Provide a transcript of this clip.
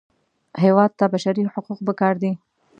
هېواد ته بشري حقوق پکار دي